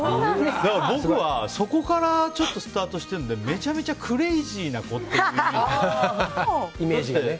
だから僕は、そこからちょっとスタートしてるんでめちゃめちゃクレイジーな子っていうイメージで。